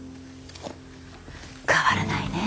変わらないね。